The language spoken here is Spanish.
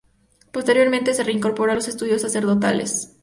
Posteriormente se reincorporó a los estudios sacerdotales.